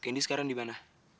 kendi sekarang dimana